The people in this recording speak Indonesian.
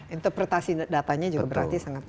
interpretasi datanya juga berarti sangat tinggi